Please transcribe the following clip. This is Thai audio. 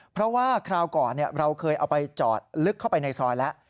เพราะว่าคราวก่อนเราเคยเอาไปจอดลึกเข้าไปในซอยแล้ว